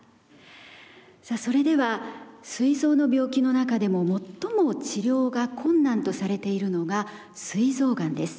さあそれではすい臓の病気の中でも最も治療が困難とされているのがすい臓がんです。